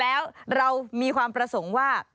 แล้วเรามีความประสงค์ว่า